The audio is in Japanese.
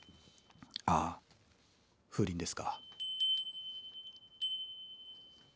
ああ風鈴ですか。